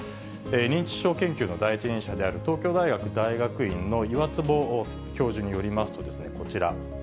認知症研究の第一人者である東京大学大学院の岩坪教授によりますと、こちら。